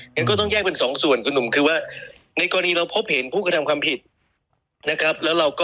งั้นก็ต้องแยกเป็นสองส่วนคุณหนุ่มคือว่าในกรณีเราพบเห็นผู้กระทำความผิดนะครับ